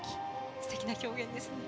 すてきな表現ですね。